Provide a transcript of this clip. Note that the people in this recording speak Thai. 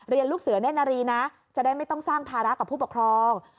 ลูกเสือเน่นนารีนะจะได้ไม่ต้องสร้างภาระกับผู้ปกครอง